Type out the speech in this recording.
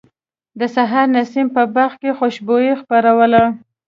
د سحر نسیم په باغ کې خوشبو خپروله.